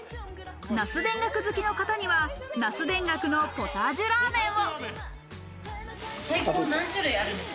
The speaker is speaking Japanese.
なす田楽好きの方になす田楽のポタージュラーメンを。